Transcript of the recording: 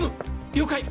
了解！